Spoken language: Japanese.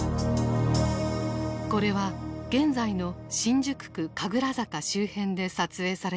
これは現在の新宿区神楽坂周辺で撮影された映像である。